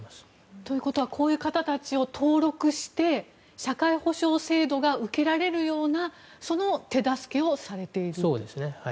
ということはこういう方たちを登録して社会保障制度が受けられるような手助けをされていると。